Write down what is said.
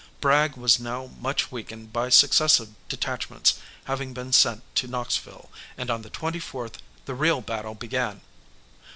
Bragg was now much weakened by successive detachments having been sent to Knoxville, and on the 24th the real battle began.